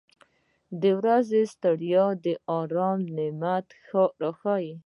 • د ورځې ستړیا د آرام نعمت راښیي.